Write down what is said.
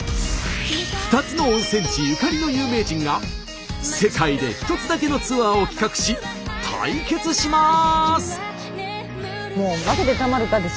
２つの温泉地ゆかりの有名人が世界でひとつだけのツアーを企画し対決します！